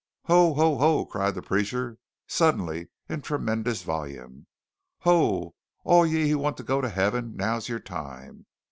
"Ho! ho! ho!" cried the preacher suddenly in tremendous volume. "Ho! All ye who want to go to heaven, now's your time!